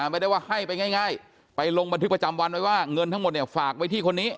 ไม่ได้ว่าให้ไปง่ายไปลงบันทึกประจำวันไว้ว่าเงินทั้งหมดเนี่ยฝากไว้ที่คนนี้